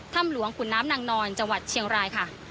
ถ้ำหลวงขุนน้ำนางนอนจังหวัดเชียงรายค่ะ